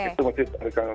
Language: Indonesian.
itu masih terganggu